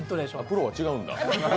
プロは違うんだ。